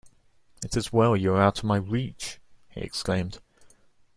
‘It is well you are out of my reach,’ he exclaimed.